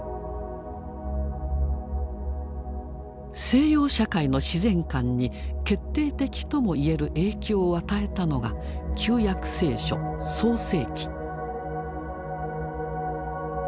西洋社会の自然観に決定的とも言える影響を与えたのが「旧約聖書創世記」。